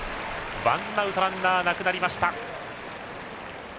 ワンアウトランナーはなくなりました。